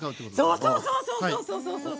そうそうそうそう！